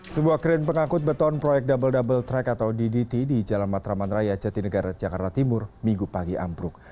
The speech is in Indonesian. sebuah kren pengangkut beton proyek double double track atau ddt di jalan matraman raya jatinegara jakarta timur minggu pagi ambruk